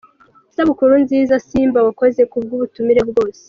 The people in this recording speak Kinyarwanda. Isabukuru nziza Simba wakoze ku bw’ubutumire bwose.”